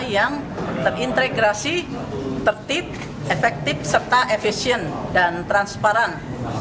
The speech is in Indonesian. yang terintegrasi tertib efektif serta efisien dan transparan